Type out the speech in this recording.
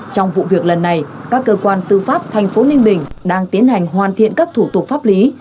trong vụ việc lần này các cơ quan tư pháp thành phố ninh bình đang tiến hành hoàn thiện các thủ tục pháp lý